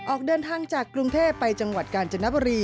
ออกเดินทางจากกรุงเทพไปจังหวัดกาญจนบุรี